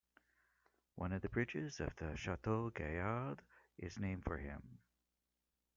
One of the bridges of the Chateau-Gaillard is named for him.